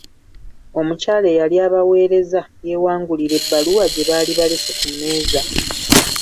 Omukyala eyali abaweereza yeewangulira ebbaluwa gye baali balese ku mmeeza.